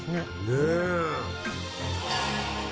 ねえ。